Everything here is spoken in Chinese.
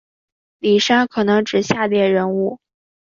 李珊可能指下列人物